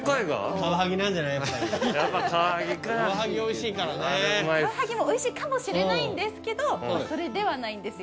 カワハギもおいしいかもしれないんですけどそれではないんですよ